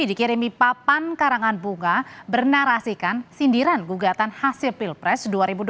dikirimi papan karangan bunga bernarasikan sindiran gugatan hasil pilpres dua ribu dua puluh